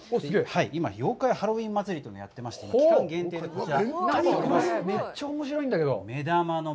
今、妖怪ハロウィンまつりというのをやっていまして、期間限定でこちら。